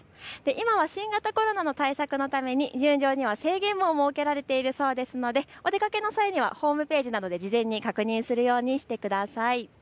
今は新型コロナの対策のために入場には制限も設けられているそうですのでお出かけの際にはホームページなど事前に確認するようにしてください。